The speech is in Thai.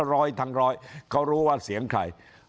ร้อยทั้งร้อยเขารู้ว่าเสียงใคร